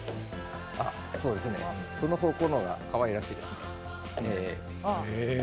その方向のほうがかわいらしいですね。